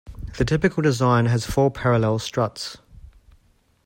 The typical design has four parallel struts.